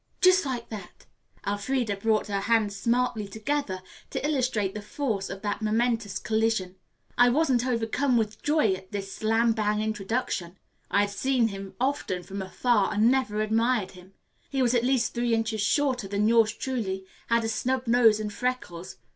Just like that," Elfreda brought her hands smartly together to illustrate the force of that momentous collision. "I wasn't overcome with joy at this slam bang introduction. I had seen him often from afar and never admired him. He was at least three inches shorter than yours truly, had a snub nose and freckles.